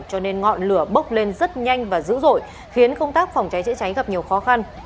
cho nên ngọn lửa bốc lên rất nhanh và dữ dội khiến công tác phòng cháy chữa cháy gặp nhiều khó khăn